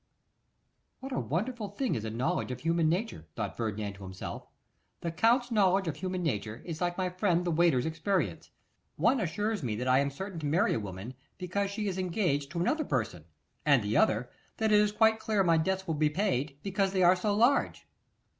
What a wonderful thing is a knowledge of human nature! thought Ferdinand to himself. The Count's knowledge of human nature is like my friend the waiter's experience. One assures me that I am certain to marry a woman because she is engaged to another person, and the other, that it is quite clear my debts will be paid because they are so large!